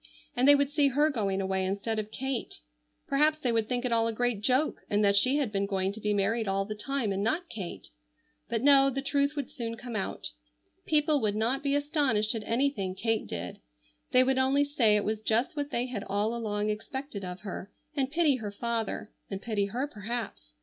And they would see her going away instead of Kate. Perhaps they would think it all a great joke and that she had been going to be married all the time and not Kate. But no; the truth would soon come out. People would not be astonished at anything Kate did. They would only say it was just what they had all along expected of her, and pity her father, and pity her perhaps.